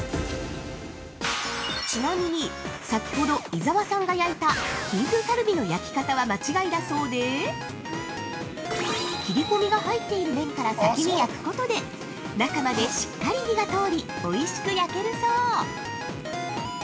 ◆ちなみに、先ほど伊沢さんが焼いたきんぐカルビの焼き方は間違いだそうで切り込みが入っている面から先に焼くことで中までしっかり火が通りおいしく焼けるそう。